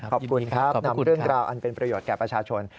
ขอบคุณครับนำเรื่องราวอันเป็นประโยชนแก่ประชาชน